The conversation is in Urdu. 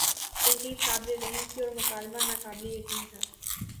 تحریر قابل رحم تھی اور مکالمہ ناقابل یقین تھا